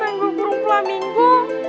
liatan gue kurung flamingo